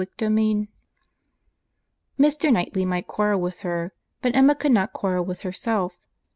CHAPTER IX Mr. Knightley might quarrel with her, but Emma could not quarrel with herself.